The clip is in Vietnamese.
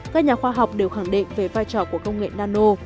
các nhà khoa học đều khẳng định về vai trò của công nghệ nano